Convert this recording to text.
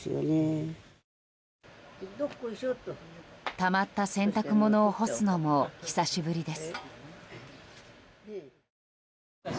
たまった洗濯物を干すのも久しぶりです。